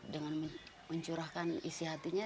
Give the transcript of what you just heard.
dengan mencurahkan isi hatinya